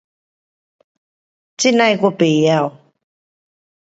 这那的我甭晓。